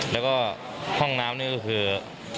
แล้วก็ห้องน้ำนี่ก็คือ